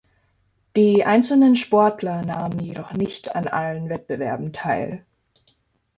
Die einzelnen Sportler nahmen jedoch nicht an allen Wettbewerben teil.